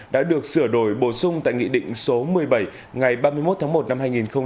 đã được sửa đổi bổ sung tại nghị định số một mươi bảy ngày ba mươi một tháng một năm hai nghìn một mươi chín